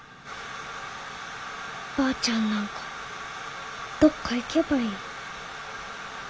ばあちゃんなんかどっか行けばいい。